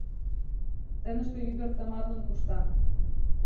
Сценыште ӱдыр тыматлын кушта.